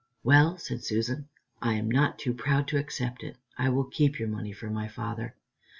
"Well," said Susan, "I am not too proud to accept it. I will keep your money for my father.